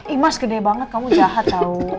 imas gede banget kamu jahat tau